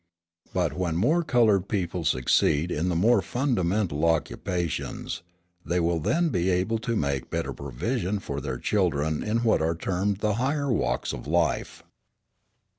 But, when more coloured people succeed in the more fundamental occupations, they will then be able to make better provision for their children in what are termed the higher walks of life.